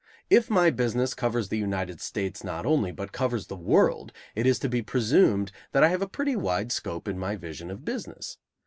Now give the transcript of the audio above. If my business covers the United States not only, but covers the world, it is to be presumed that I have a pretty wide scope in my vision of business.